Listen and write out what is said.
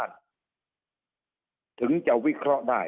แบบนี้ต้องใช้ความรู้เฉพาะด้านถึงจะวิเคราะห์ได้